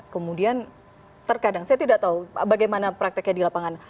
kemudian terkadang saya tidak tahu bagaimana prakteknya di lapangan